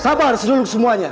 sabar seluruh semuanya